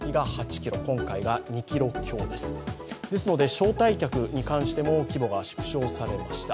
招待客に関しても規模が縮小されました。